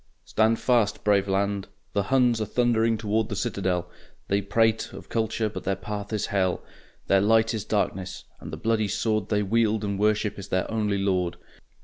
Stand fast, brave land! The Huns are thundering toward the citadel; They prate of Culture but their path is Hell; Their light is darkness, and the bloody sword They wield and worship is their only Lord.